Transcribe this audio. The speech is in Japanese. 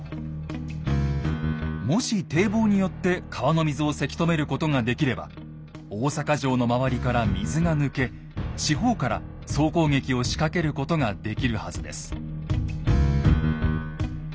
もし堤防によって川の水をせき止めることができれば大坂城の周りから水が抜け四方から総攻撃を仕掛けることができるはずです。